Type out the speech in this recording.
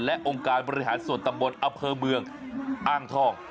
และองค์การบริหารส่วนตำบลอเภอเมืองอ้างทอง